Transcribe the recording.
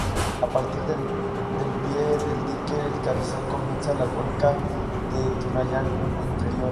A partir del pie del dique El Carrizal comienza la cuenca del Tunuyán inferior.